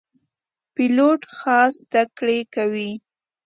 پیلوټ خاص زده کړې کوي.